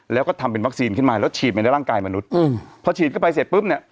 แล้วก็ทำเป็นวัคซีนขึ้นมาแล้วฉีดไปในร่างกายมนุษย์อืมพอฉีดเข้าไปเสร็จปุ๊บเนี่ย